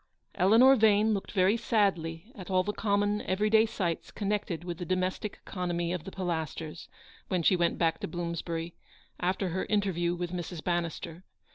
Eleanor Yane looked very sadly at all trie common, every day sights connected with the domestic economy of the Pilasters, when she went back to Bloomsbury, after her interview with Mrs. Bannister.